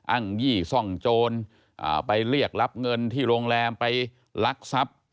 ยี่ซ่องโจรไปเรียกรับเงินที่โรงแรมไปลักทรัพย์